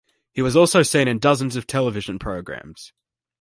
He also was seen in dozens of television programs.